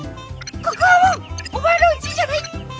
「ここはもうお前のうちじゃない」って。